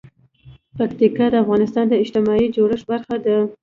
پکتیکا د افغانستان د اجتماعي جوړښت برخه ده.